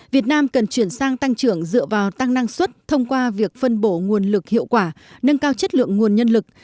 việt nam cần chuyển sang tăng trưởng dựa vào tăng năng suất thông qua việc phân bổ nguồn lực hiệu quả nâng cao chất lượng nguồn nhân lực